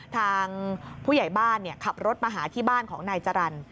ทางผู้ใหญ่บ้านขับรถมาหาที่บ้านของนายจรรย์